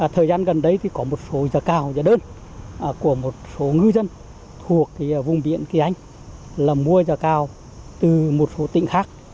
thời gian gần đây thì có một số giả cao giả đơn của một số ngư dân thuộc vùng biện kỳ anh là mua giả cao từ một số tỉnh khác